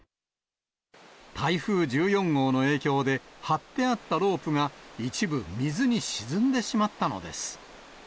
台風１４号の影響で、張ってあったロープが一部水に沈んでしまったのです。